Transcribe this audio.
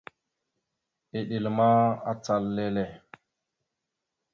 Eɗel ma, acal lele.